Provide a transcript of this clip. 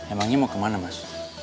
emang dia mau kemana mas